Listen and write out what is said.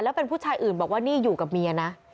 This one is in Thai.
แล้วเป็นผู้ชายอื่นบอกว่านี่อยู่กับเมียนะ